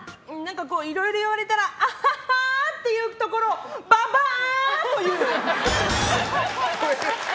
いろいろ言われたらアハハっていうところをババア！と言う。